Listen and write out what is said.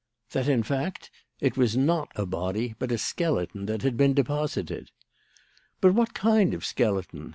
That, in fact, it was not a body, but a skeleton, that had been deposited. "But what kind of skeleton?